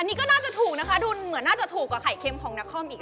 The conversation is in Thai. นี่ก็น่าจะถูกนะคะดูเหมือนน่าจะถูกกว่าไข่เค็มของนักคอมอีก